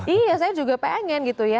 iya saya juga pengen gitu ya